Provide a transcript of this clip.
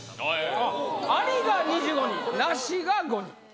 「あり」が２５人「なし」が５人。